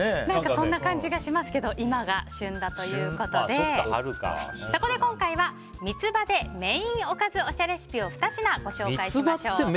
何かそんな感じがしますけど今が旬だということで、今回はミツバでメインおかずおしゃレシピを２品ご紹介しましょう。